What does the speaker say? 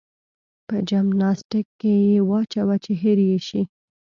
په جمناستيک کې يې واچوه چې هېر يې شي.